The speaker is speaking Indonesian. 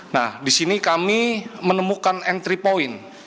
nah disini kami menemukan entry point